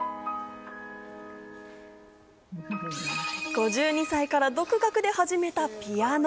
５２歳から独学で始めたピアノ。